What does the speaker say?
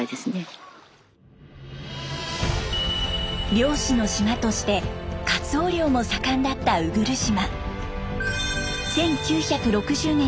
漁師の島としてカツオ漁も盛んだった鵜来島。